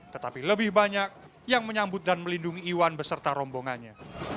tetapi lebih banyak yang menyambut dan melindungi iwan beserta rombongannya